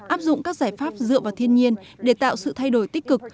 áp dụng các giải pháp dựa vào thiên nhiên để tạo sự thay đổi tích cực